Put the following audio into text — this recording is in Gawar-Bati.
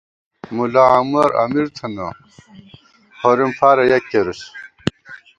ملاعمر امیر تھنہ ، ہورِم فارہ یک کېرُس